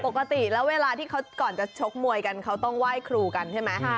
ปกติแล้วเวลาที่เขาก่อนจะชกมวยกันเขาต้องไหว้ครูกันใช่ไหม